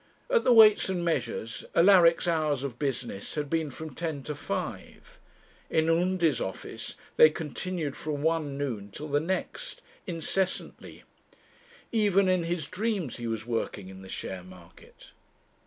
At the Weights and Measures Alaric's hours of business had been from ten to five. In Undy's office they continued from one noon till the next, incessantly; even in his dreams he was working in the share market.